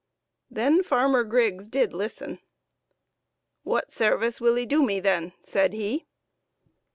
Then Farmer Griggs did listen. " What sarvice will 'ee do me then ?" said he.